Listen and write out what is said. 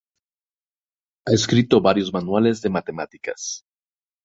Ha escrito varios manuales de matemáticas.